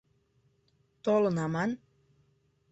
— Толын аман.